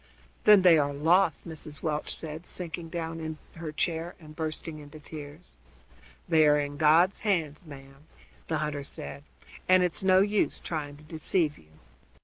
"Then they are lost," Mrs. Welch said, sinking down in her chair and bursting into tears. "They air in God's hands, ma'am," the hunter said, "and it's no use trying to deceive you."